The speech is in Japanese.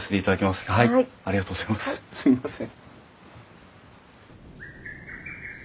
すいません。